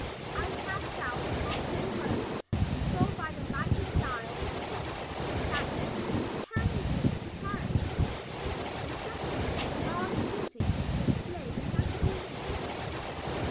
I passed out on to the road and saw by the lighted dial of a clock that it was ten minutes to ten. In front of me was a large building which displayed the magical name.